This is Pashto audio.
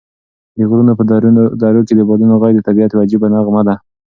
د غرونو په درو کې د بادونو غږ د طبعیت یوه عجیبه نغمه ده.